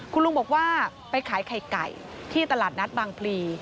คุณลุงบอกว่าไปขายไข่ไก่ที่ตลาดนัดบางพลี